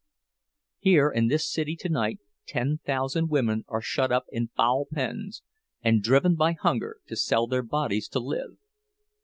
Here in this city to night ten thousand women are shut up in foul pens, and driven by hunger to sell their bodies to live.